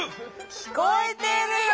きこえてるよ。